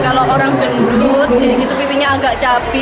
kalau orang gendut pipinya agak cabai